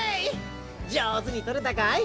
じょうずにとれたかい？